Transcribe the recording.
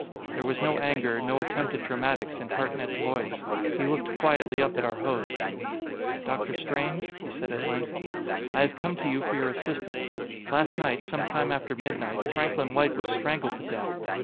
There was no anger, no attempt at dramatics, in Hartnett's voice. He looked quietly up at our host. "Dr. Strange," he said at length, "I have come to you for your assistance. Last night, some time after midnight, Franklin White was strangled to death.